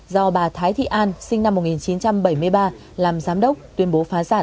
do bà thái thị an sinh năm một nghìn chín trăm bảy mươi ba làm giám đốc tuyên bố phá sản